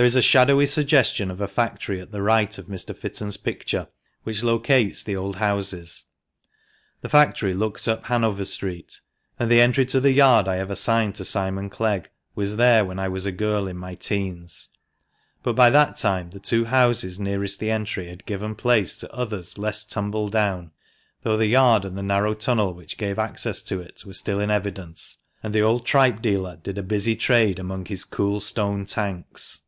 — There is a shadowy suggestion of a factory at the right of Mr. Fitton's picture, which locates the old houses. The factory looked up Hanover Street, and the entry to the yard I have assigned to Simon Clegg was there when I was a girl in my teens. But by that time the two houses nearest the entry had given place to others less tumble down, though the yard and the narrow tunnel which gave access to it were still in evidence, and the old tripe dealer did a busy trade among his cool stone tanks.